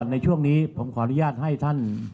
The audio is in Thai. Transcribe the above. ในช่วงนี้ผมขออนุญาตให้ท่าน